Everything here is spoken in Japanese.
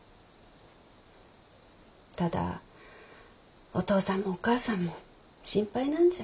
ただお父さんもお母さんも心配なんじゃ。